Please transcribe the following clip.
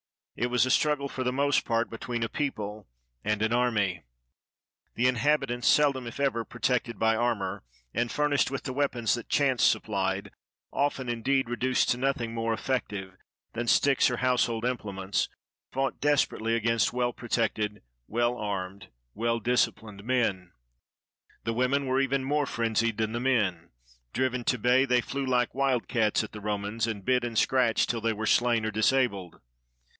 It was a struggle, for the most part, between a people and an army. The inhabitants, seldom, if ever, protected by armor, and furnished with the weapons that chance suppHed, often, indeed, reduced to nothing more effective than sticks or 289 NORTHERN AFRICA household implements, fought desperately against well protected, well armed, well disciplined men. The wo men were even more frenzied than the men. Driven to bay, they flew like wild cats at the Romans, and bit and scratched till they were slain or disabled.